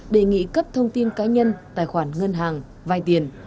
đề nghị cấp thông tin cá nhân tài khoản ngân hàng vai tiền